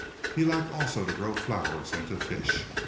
He liked also to grow flowers and to fish.